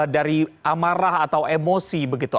dari amarah atau emosi begitu